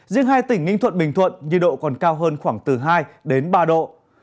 riêng hai tỉnh ninh thuận bình thuận nhiệt độ còn cao hơn khoảng từ hai đến ba độ